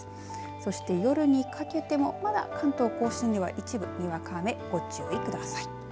そして夜にかけてもまだ関東甲信では一部にわか雨ご注意ください。